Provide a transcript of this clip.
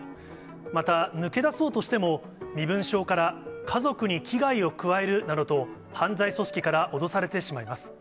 また抜け出そうとしても、身分証から、家族に危害を加えるなどと犯罪組織から脅されてしまいます。